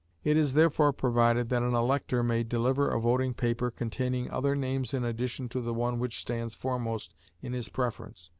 It is therefore provided that an elector may deliver a voting paper containing other names in addition to the one which stands foremost in his preference.